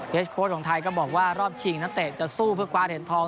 โค้ดของไทยก็บอกว่ารอบชิงนักเตะจะสู้เพื่อคว้าเหรียญทอง